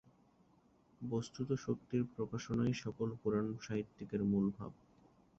বস্তুত শক্তির প্রকাশনাই সকল পুরাণ-সাহিত্যের মূল ভাব।